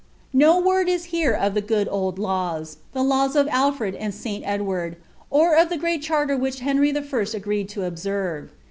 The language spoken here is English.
"' No word is here of the good old laws — the laws of Alfred uid SL Edward, or of the great charter wiiich Henry 1. agreed to observe.